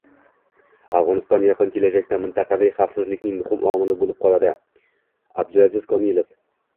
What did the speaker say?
Afg‘oniston yaqin kelajakda mintaqaviy xavfsizlikning muhim omili bo‘lib qoladi — Abdulaziz Komilov